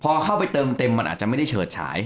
พอเข้าไปเติมเต็มมันอาจจะไม่ได้เฉิดฉาย